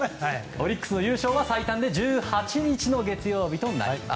オリックスの優勝は最短で１８日月曜日です。